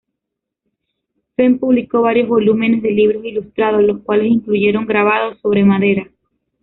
Fenn publicó varios volúmenes de libros ilustrados, los cuales incluyeron grabados sobre madera.